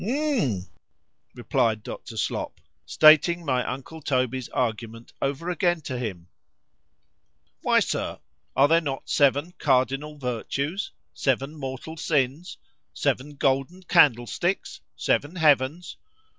——Humph! replied Dr. Slop, (stating my uncle Toby's argument over again to him)——Why, Sir, are there not seven cardinal virtues?——Seven mortal sins?——Seven golden candlesticks?——Seven heavens?